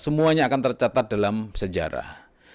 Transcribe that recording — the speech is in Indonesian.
semuanya akan tercatat dalam sejarah